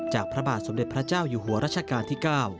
พระบาทสมเด็จพระเจ้าอยู่หัวรัชกาลที่๙